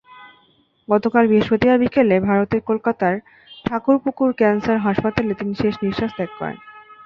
গতকাল বৃহস্পতিবার বিকেলে ভারতের কলকাতার ঠাকুরপুকুর ক্যানসার হাসপাতালে তিনি শেষনিঃশ্বাস ত্যাগ করেন।